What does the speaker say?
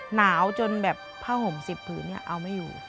หนาวจนแบบผ้าห่ม๑๐ผืนเอาไม่อยู่